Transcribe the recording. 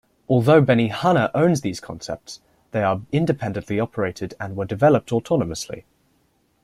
Although Benihana owns these concepts, they are independently operated and were developed autonomously.